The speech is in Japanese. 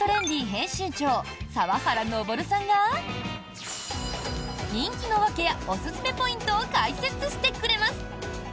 編集長澤原昇さんが人気の訳やおすすめポイントを解説してくれます。